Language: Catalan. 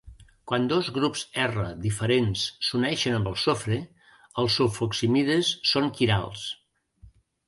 Quan dos grups R diferents s'uneixen amb el sofre, els sulfoximides són quirals.